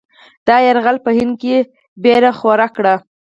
دا یرغل په هند کې وېره خوره کړه.